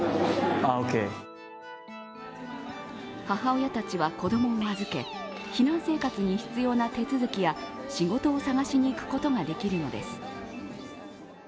母親たちは子供を預け避難生活に必要な手続きや仕事を探しに行くことができるのです。